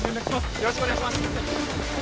よろしくお願いします